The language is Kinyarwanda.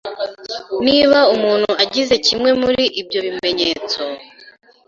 Niba umuntu agize kimwe muri ibyo bimenyetso,